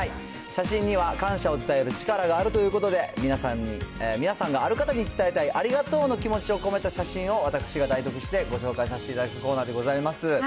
写真には感謝を伝える力があるということで、皆さんがある方に伝えたいありがとうの気持ちを込めた写真を、私が代読してご紹介させていただくコーナーでございます。